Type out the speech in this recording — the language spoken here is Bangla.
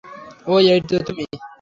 ওহ, এইতো তুমি।